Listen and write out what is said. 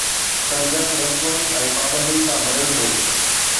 سرگس رسمن ۽ پابندين سان ڀريل هو